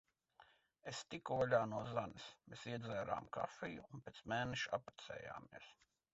Es tiku vaļā no Zanes. Mēs iedzērām kafiju. Un pēc mēneša apprecējāmies.